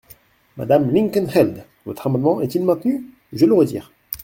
Madame Linkenheld, votre amendement est-il maintenu ? Je le retire.